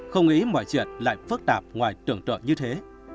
không nghĩ mọi chuyện lại phức tạp ngoài tưởng tượng như thế